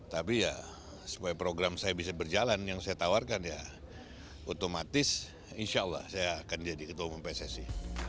tapi ya supaya program saya bisa berjalan yang saya tawarkan ya otomatis insya allah saya akan jadi ketua umum pssi